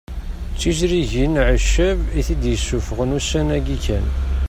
D tiẓrigin Ɛeccab i t-id-isuffɣen ussan-agi kan